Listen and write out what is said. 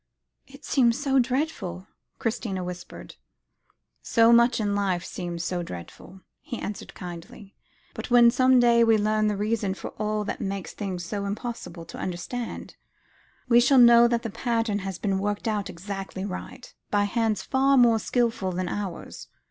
"It seems so dreadful," Christina whispered. "So much in life seems so dreadful," he answered kindly; "but when some day we learn the reason for all that made things so impossible to understand, we shall know that the pattern has been worked out exactly right, by Hands far more skilful than ours.